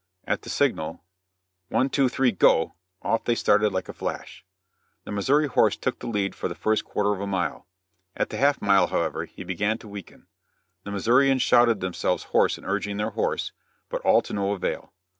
At the signal "One, two, three, go!" off they started like a flash. The Missouri horse took the lead for the first quarter of a mile; at the half mile, however, he began to weaken. The Missourians shouted themselves hoarse in urging their horse, but all to no avail.